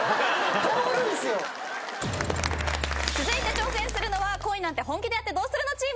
続いて挑戦するのは恋なんて、本気でやってどうするの？